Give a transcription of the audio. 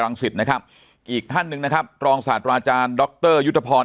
สิทธิ์นะครับอีกท่านหนึ่งนะครับรองศาสตราอาจารย์ดรยุทธพร